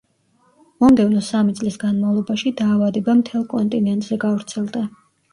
მომდევნო სამი წლის განმავლობაში დაავადება მთელ კონტინენტზე გავრცელდა.